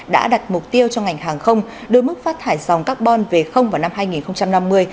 đã đặt mục tiêu cho ngành hàng không đối mức phát thải dòng carbon về vào năm hai nghìn năm mươi